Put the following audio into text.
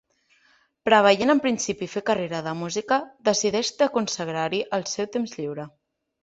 Preveient en principi fer carrera de música, decideix de consagrar-hi el seu temps lliure.